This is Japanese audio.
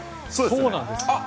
そうなんです。